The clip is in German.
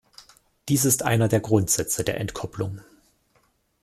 Dies ist einer der Grundsätze der Entkopplung.